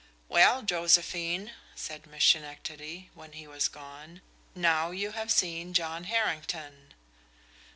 "Well, Josephine," said Miss Schenectady, when he was gone, "now you have seen John Harrington."